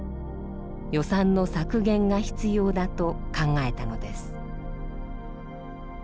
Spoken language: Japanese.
予算の削減が必要だと考えたのです。